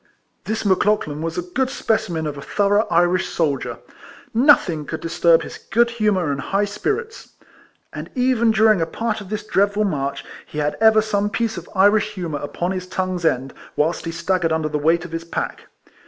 This Mc Lauchlan was a good specimen of a thorouo^h Irish soldier. Nothin^r could disturb his good humour and high spirits; and even during a part of this dreadful march, he had ever some piece of Irish humour upon his tongue's end, whilst he staggered under the weight of his pack.